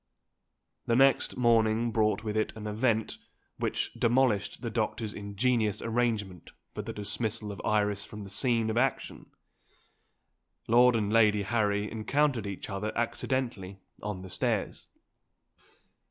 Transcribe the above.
The next morning brought with it an event, which demolished the doctor's ingenious arrangement for the dismissal of Iris from the scene of action. Lord and Lady Harry encountered each other accidentally on the stairs.